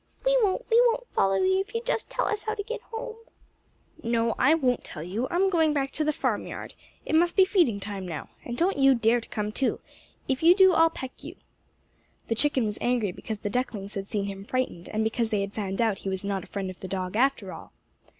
"We won't; we won't follow you if you'll just tell us how to get home." "No, I won't tell you. I'm going back to the farmyard. It must be feeding time now. And don't you dare to come too. If you do I'll peck you." The chicken was angry because the ducklings had seen him frightened, and because they had found out he was not a friend of the dog after all.